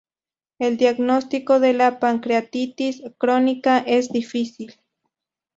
El diagnóstico de la pancreatitis crónica es difícil.